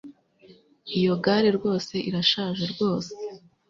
iyo gare rwose irashaje rwose